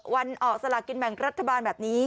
วันออกสลากินแบ่งรัฐบาลแบบนี้